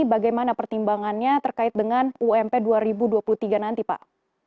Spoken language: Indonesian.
bagaimana pertimbangannya terkait dengan ump dua ribu dua puluh tiga nanti pak